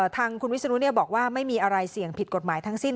ทางคุณวิศนุบอกว่าไม่มีอะไรเสี่ยงผิดกฎหมายทั้งสิ้น